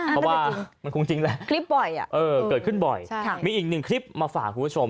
หู้มันคงจริงแหละเออเกิดขึ้นบ่อยมีอีกนิดหนึ่งคลิปมาฝากผู้ชม